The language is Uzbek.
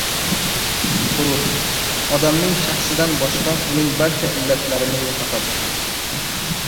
G‘urur odamning shaxsidan boshqa uning barcha illatlarini yo‘qotadi.